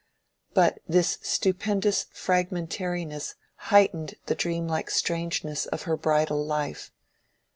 But this stupendous fragmentariness heightened the dreamlike strangeness of her bridal life.